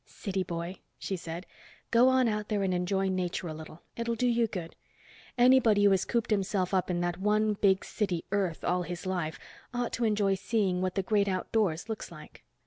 "City boy," she said. "Go on out there and enjoy nature a little. It'll do you good. Anybody who has cooped himself up in that one big city, Earth, all his life ought to enjoy seeing what the great outdoors looks like."